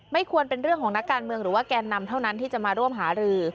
ควรเป็นเรื่องของนักการเมืองหรือว่าแกนนำเท่านั้นที่จะมาร่วมหารือ